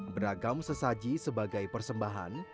beragam sesaji sebagai persembahan